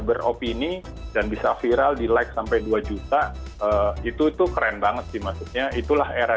beropini dan bisa viral di like sampai dua juta itu tuh keren banget sih maksudnya itulah era